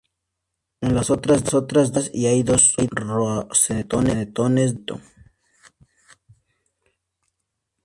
En las otras dos bandas y hay dos rosetones de granito.